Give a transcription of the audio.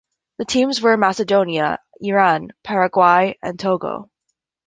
The teams were Macedonia, Iran, Paraguay, and Togo.